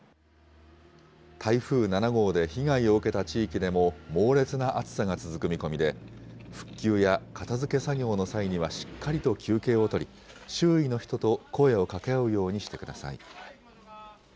台風７号で被害を受けた地域でも、猛烈な暑さが続く見込みで、復旧や片づけ作業の際には、しっかりと休憩を取り、周囲の人と声をかけ合うようにしてください。